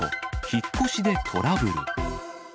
引っ越しでトラブル。